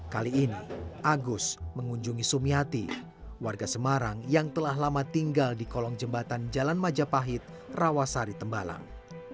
kali ini agus mengunjungi sumiati warga semarang yang telah lama tinggal di kolong jembatan jalan majapahit rawasari tembalang